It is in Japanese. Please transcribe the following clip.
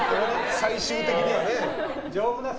最終的にはね。